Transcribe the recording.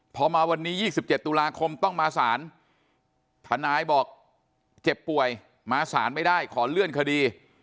พอมาวันนี้๒๗ตุลาคมต้องมาสารทนายบอกเจ็บป่วยมาสารไม่ได้ขอเลื่อนคดี